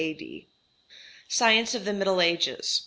_Science of the Middle Ages.